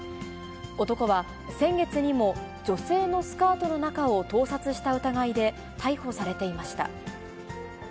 男は、先月にも、女性のスカートの中を盗撮した疑いで逮捕されていました。